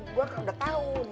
gue kan udah tahu